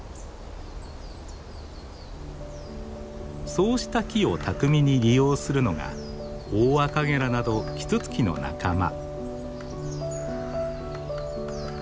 そうした木を巧みに利用するのがオオアカゲラなどキツツキの仲間。